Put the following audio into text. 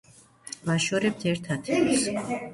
ვაშორებთ ერთ ათეულს.